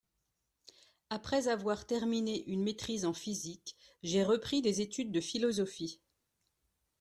Après avoir terminé une maîtrise en physique, j'ai repris des études de philosophie.